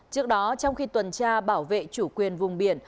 trước đó trong khi tuần tra bảo vệ chủ quyền vùng biển